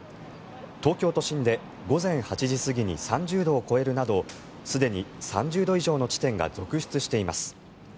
東京都心で午前８時過ぎに３０度を超えるなどすでに３０度以上の地点が続出しています。